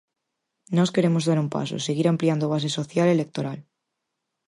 Nós queremos dar un paso, seguir ampliando base social e electoral.